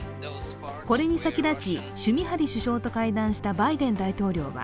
これに先立ち、シュミハリ首相と会談したバイデン大統領は